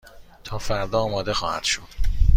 تا فردا آماده خواهد شد.